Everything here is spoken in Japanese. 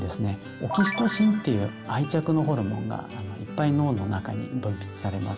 オキシトシンっていう愛着のホルモンがいっぱい脳の中に分泌されます。